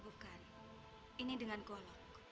bukan ini dengan golok